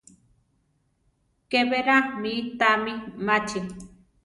Ke berá mi tami machí.